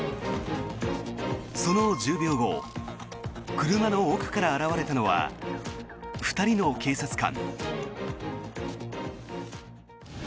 その１０秒後車の奥から現れたのは２人の警察官。